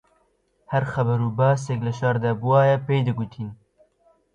هەر خەبەر و باسێک لە شاردا بوایە پێی دەگوتین